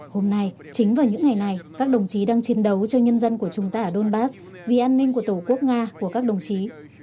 hôm nay chính vào những ngày này các đồng chí đang chiến đấu cho nhân dân của chúng ta ở donbass vì an ninh của tổ quốc nga của các đồng chí